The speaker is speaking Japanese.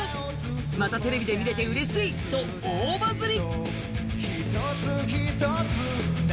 またテレビで見れてうれしいと大バズり。